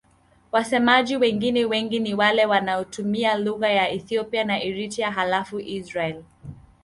Wasemaji wengine wengi ni wale wanaotumia lugha za Ethiopia na Eritrea halafu Israel.